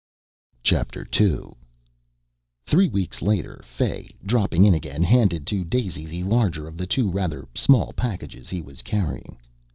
II Three weeks later Fay, dropping in again, handed to Daisy the larger of the two rather small packages he was carrying.